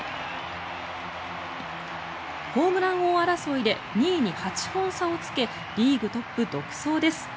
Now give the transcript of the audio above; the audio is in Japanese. ホームラン王争いで２位に８本差をつけリーグトップ独走です。